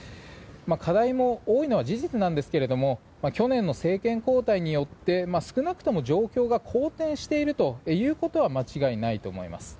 課題も多いのは事実ですが去年の政権交代によって少なくとも状況が好転しているということは間違いないと思います。